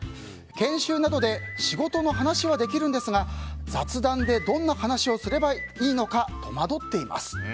研修などで仕事の話はできるんですが雑談でどんな話をすればいいのか戸惑っています。